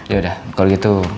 ya udah kalau gitu